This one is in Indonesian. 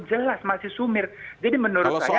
jelas masih sumir jadi menurut saya